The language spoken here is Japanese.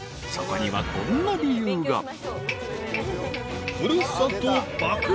［そこにはこんな理由が］